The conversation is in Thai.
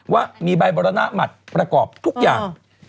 ว่ามีใบบรณหมัดประกอบทุกอย่าง